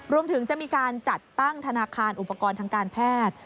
รวมถึงจะมีการจัดตั้งธนาคารอุปกรณ์ทางการแพทย์